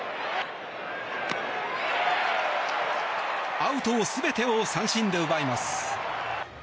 アウト全てを三振で奪います。